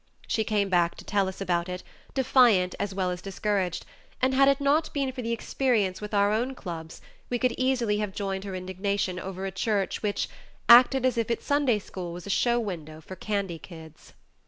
She came back to tell us about it, defiant as well as discouraged, and had it not been for the experience with our own clubs, we could easily have joined her indignation over a church which "acted as if its Sunday School was a show window for candy kids."